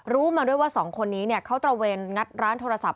รู้มาด้วยว่าสองคนนี้เขาตระเวนงัดร้านโทรศัพท์